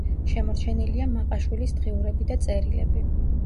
შემორჩენილია მაყაშვილის დღიურები და წერილები.